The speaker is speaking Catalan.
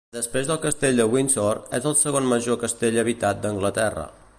Després del Castell de Windsor, és el segon major castell habitat d'Anglaterra.